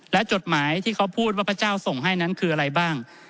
และจดหมายที่เขาพูดว่าพระเจ้าส่งให้นั้นคืออะไรบ้าง